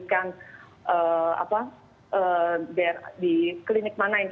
bahkan saat itu kita merasakan nomor dari penghasilan vaksinasi itu